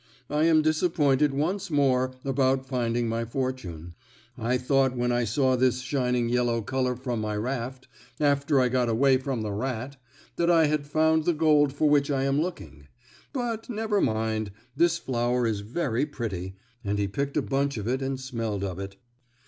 I am disappointed once more about finding my fortune. I thought when I saw this shining yellow color from my raft, after I got away from the rat, that I had found the gold for which I am looking. But, never mind, this flower is very pretty," and he picked a bunch of it and smelled of it.